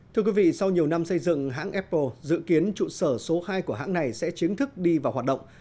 thưa quý vị sau nhiều năm xây dựng hãng apple dự kiến trụ sở số hai của hãng này sẽ chính thức đi vào hoạt động